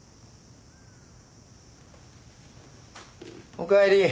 ・おかえり。